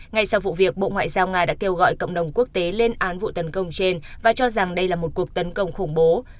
ngay sau vụ việc bộ ngoại giao nga đã kêu gọi cộng đồng quốc tế lên án vụ tấn công trên và cho rằng đây là một cuộc tấn công khủng bố